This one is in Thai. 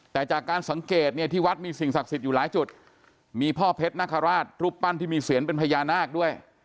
แต่จากการสังเกตเนี่ยที่วัดมีสิ่งศักดิ์สิทธิ์อยู่หลายจุดมีพ่อเพชรนคราชรูปปั้นที่มีเสียงเป็นพญานาคด้วย